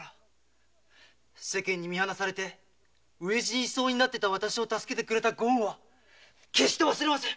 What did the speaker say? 世間に見放され飢え死にしそうなわたしを助けてくれたご恩は決して忘れません。